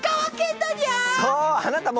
そう！